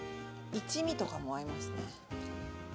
一味とかも合いますね。